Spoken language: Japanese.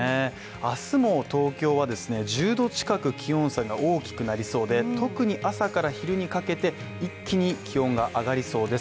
明日も東京は１０℃近く気温差が大きくなりそうで特に朝から昼にかけて一気に気温が上がりそうです。